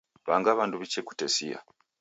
W'anga w'andu w'iche kutesia.